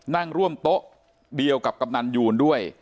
นั่งร่วมโต๊ะเดียวกับกำนันยูนด้วย